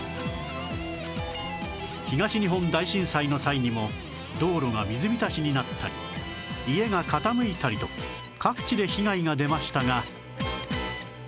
東日本大震災の際にも道路が水浸しになったり家が傾いたりと各地で被害が出ましたが